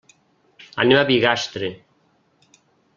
Anem a Bigastre.